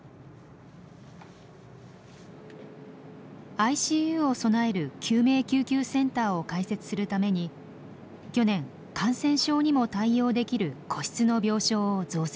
ＩＣＵを備える救命救急センターを開設するために去年感染症にも対応できる個室の病床を増設。